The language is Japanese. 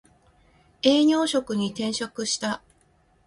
営業職に転職した